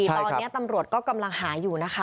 ตอนนี้ตำรวจก็กำลังหาอยู่นะคะ